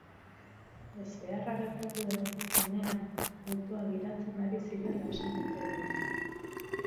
Ezbeharra gertatu den unean autoa gidatzen ari zirela esan dute biek.